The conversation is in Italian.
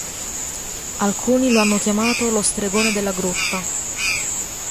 Alcuni lo hanno chiamato lo Stregone della grotta.